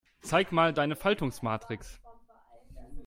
Zeig mal deine Faltungsmatrix.